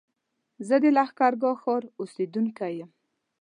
زه د لښکرګاه ښار اوسېدونکی يم